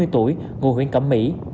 bốn mươi tuổi ngôi huyện cẩm mỹ